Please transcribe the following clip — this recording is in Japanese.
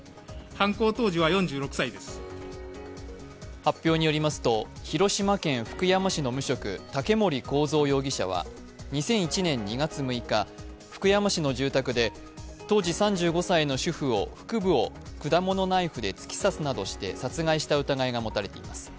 発表によりますと広島県福山氏の無職、竹森幸三容疑者は２００１年２月６日、福山市の住宅で当時３５歳の主婦を腹部を果物ナイフで突き刺すなどして殺害した疑いが持たれています。